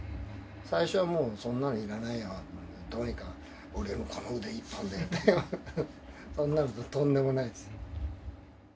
最初はもうそんなのいらないや、どうにか俺のこの腕一本でって、そんなのとんでもないです。